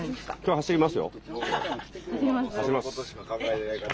走ります。